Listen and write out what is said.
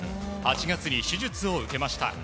８月に手術を受けました。